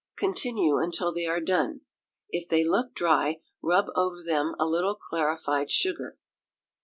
Continue until they are done. If they look dry, rub over them a little clarified sugar.